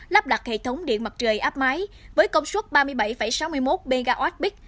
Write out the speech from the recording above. lắp đặt hệ thống điện mặt trời áp máy với công suất ba mươi bảy sáu mươi một mwp